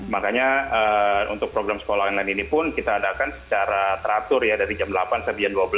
makanya untuk program sekolah online ini pun kita adakan secara teratur ya dari jam delapan sampai jam dua belas